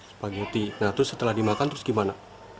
spaghetti nah terus setelah dimakan terus gimana